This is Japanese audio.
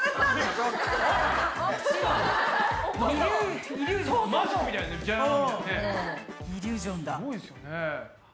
すごいですよね。